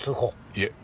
いえ